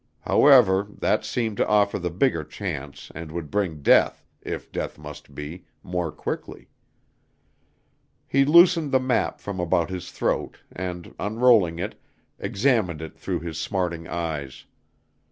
However, that seemed to offer the bigger chance and would bring death, if death must be, more quickly. He loosened the map from about his throat and, unrolling it, examined it through his smarting eyes.